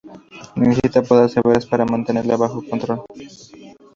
Necesita podas severas para mantenerla bajo control.